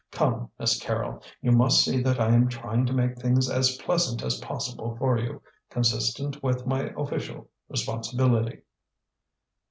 Come, Miss Carrol, you must see that I am trying to make things as pleasant as possible for you, consistent with my official responsibility."